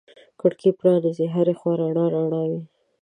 کړکۍ پرانیزې هر خوا رڼا رڼا وي